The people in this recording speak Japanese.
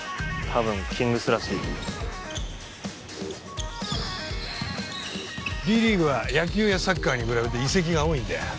たぶんキングスらしいＢリーグは野球やサッカーに比べて移籍が多いんだよ